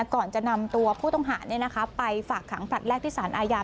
ก่อนจะนำตัวผู้ต้องหาไปฝากขังผลัดแรกที่สารอาญา